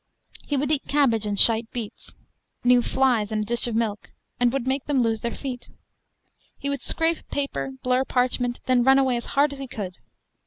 He would eat cabbage, and shite beets, knew flies in a dish of milk, and would make them lose their feet. He would scrape paper, blur parchment, then run away as hard as he could.